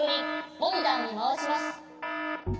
モニターにまわします。